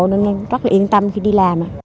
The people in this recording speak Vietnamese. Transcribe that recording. nên rất là yên tâm khi đi làm